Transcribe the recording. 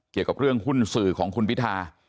เกี่ยวกับเรื่องหุ้นสื่อของคุณพิธา